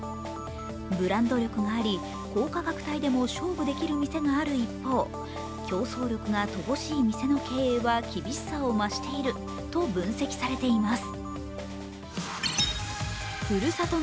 ブランド力があり、高価格帯でも勝負できる店がある一方、競争力が乏しい店の経営は厳しさを増していると分析されています。